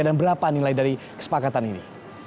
dan berapa nilai dari kesepakatan ini